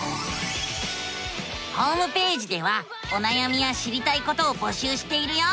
ホームページではおなやみや知りたいことをぼしゅうしているよ。